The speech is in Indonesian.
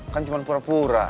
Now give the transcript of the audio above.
kan cuman pura pura